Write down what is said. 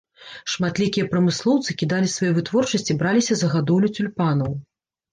Шматлікія прамыслоўцы кідалі сваю вытворчасць і браліся за гадоўлю цюльпанаў.